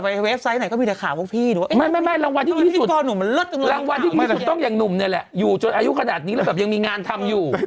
ไม่ใช่หรอกรางวัลที่สุดนี่แหละอยู่จนอายุขนาดนี้แล้วแบบยังมีงานทำอยู่